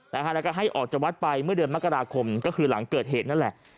แล้วก็ให้ออกจากวัดไปเมื่อเดือนมกราคมก็คือหลังเกิดเหตุนั่นแหละ